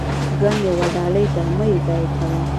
• ژوند یوه ډالۍ ده، مه یې ضایع کوه.